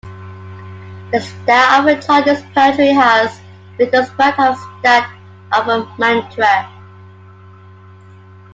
The style of Tardji's poetry has been described as that of a "mantra".